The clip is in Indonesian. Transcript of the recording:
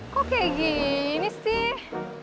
kok kayak gini sih